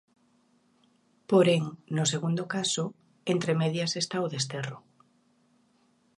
Porén, no segundo caso, entre medias está o desterro.